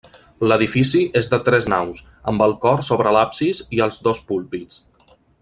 L'edifici és de tres naus, amb el cor sobre l'absis i els dos púlpits.